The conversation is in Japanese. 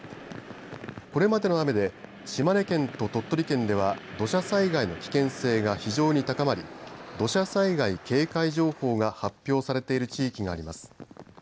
これまでの雨で島根県と鳥取県では土砂災害の危険性が非常に高まり土砂災害警戒情報が発表されている地域があります。